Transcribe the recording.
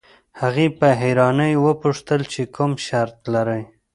هغې په حيرانۍ وپوښتل چې کوم شرط لرئ.